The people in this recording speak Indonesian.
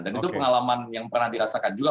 dan itu pengalaman yang pernah dirasakan juga